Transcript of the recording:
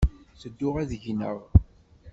Tedduɣ ad gneɣ.